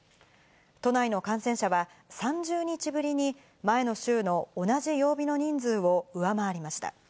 都内の感染者は３０日ぶりに前の週の同じ曜日の人数を上回りました。